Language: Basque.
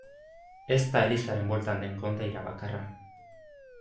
Ez da elizaren bueltan den kondaira bakarra.